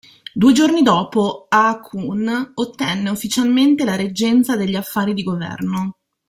Due giorni dopo, Haakon ottenne ufficialmente la reggenza degli affari di governo.